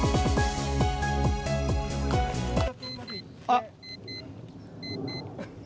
あっ。